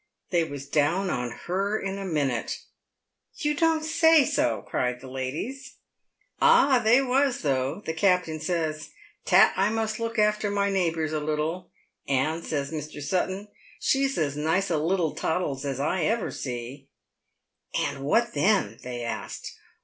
They was down on her in a minute." " You don't say so !" cried the ladies. "Ah, they was, though. The captain says, 'Tat, I must look after my neighbours a little ;' and, says Mr. Sutton, ' She's as nice a little toddles as ever I see.' "" And what then ?" they asked.